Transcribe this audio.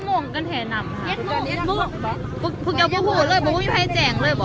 สวัสดีครับ